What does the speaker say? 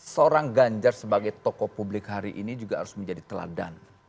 seorang ganjar sebagai tokoh publik hari ini juga harus menjadi teladan